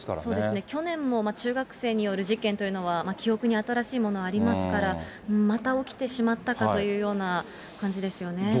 そうですね、去年も中学生による事件というのは記憶に新しいものありますから、また起きてしまったかというような感じですよね。